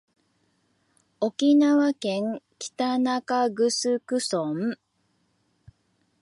沖縄県北中城村